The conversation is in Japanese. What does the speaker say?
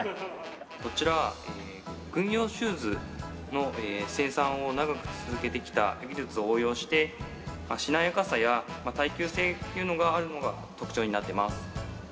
こちら軍用シューズの生産を長く続けてきた技術を応用してしなやかさや耐久性というのがあるのが特徴になってます。